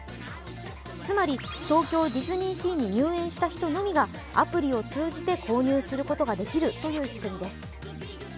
つまり東京ディズニーシーに入園した人のみがアプリを通じて購入することができるという仕組みです。